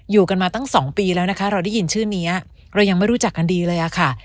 อยู่กันมาตั้ง๒ปีแล้วนะคะเราได้ยินชื่อนี้เรายังไม่รู้จักกันดีเลยอะค่ะ